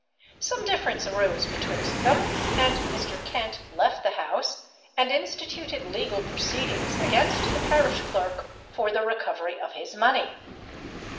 Some difference arose betwixt them, and Mr. Kent left the house, and instituted legal proceedings against the parish clerk for the recovery of his money.